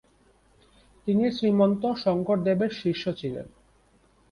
তিনি শ্রীমন্ত শঙ্করদেব-এর শিষ্য ছিলেন।